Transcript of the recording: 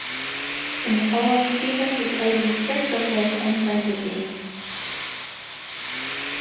In the following season he played in six of their ten friendly games.